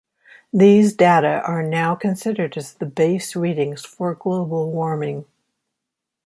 These data are now considered as the base readings for global warming.